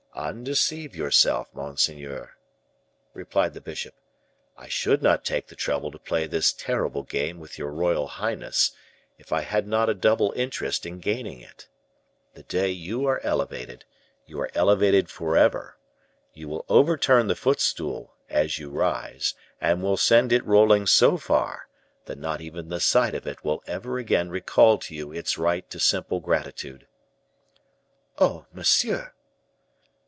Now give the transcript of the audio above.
"Undeceive yourself, monseigneur," replied the bishop. "I should not take the trouble to play this terrible game with your royal highness, if I had not a double interest in gaining it. The day you are elevated, you are elevated forever; you will overturn the footstool, as you rise, and will send it rolling so far, that not even the sight of it will ever again recall to you its right to simple gratitude." "Oh, monsieur!"